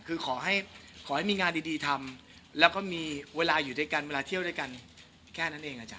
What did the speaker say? คือขอให้ขอให้มีงานดีทำแล้วก็มีเวลาอยู่ด้วยกันเวลาเที่ยวด้วยกันแค่นั้นเองอาจาร